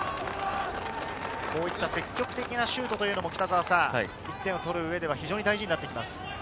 積極的なシュートも１点を取る上では非常に大事になってきます。